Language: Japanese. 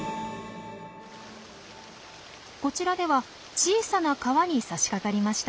こちらでは小さな川にさしかかりました。